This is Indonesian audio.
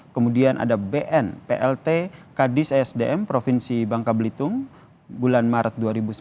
kemudian ada bnplt kadis esdm provinsi bangka belitung bulan maret dua ribu sembilan belas